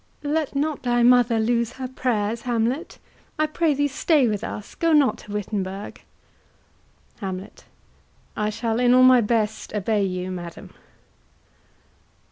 Let not thy mother lose her prayers, Hamlet. I pray thee stay with us; go not to Wittenberg. HAMLET. I shall in all my best obey you, madam.